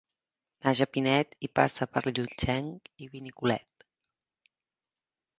Naix a Pinet i passa per Llutxent i Benicolet.